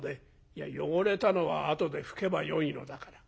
「いや汚れたのは後で拭けばよいのだから。